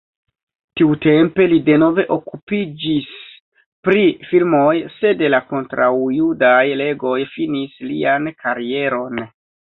Tiutempe li denove okupiĝis pri filmoj, sed la kontraŭjudaj leĝoj finis lian karieron.